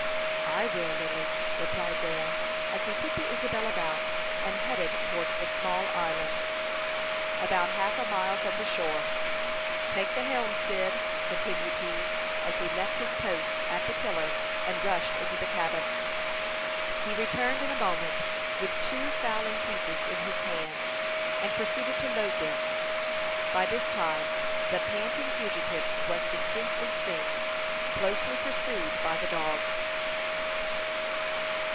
"I will, Lily," replied Dan, as he put the Isabel about, and headed towards the small island, about half a mile from the shore. "Take the helm, Cyd," continued he, as he left his post at the tiller, and rushed into the cabin. He returned in a moment with two fowling pieces in his hands, and proceeded to load them. By this time the panting fugitive was distinctly seen, closely pursued by the dogs.